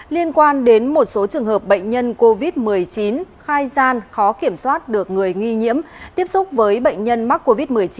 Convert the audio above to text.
liên quan đến một số trường hợp bệnh nhân covid một mươi chín khai gian khó kiểm soát được người nghi nhiễm tiếp xúc với bệnh nhân mắc covid một mươi chín